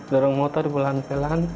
dorong motor pelan pelan